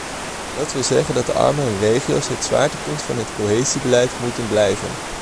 Dat wil zeggen dat de armere regio's het zwaartepunt van het cohesiebeleid moeten blijven.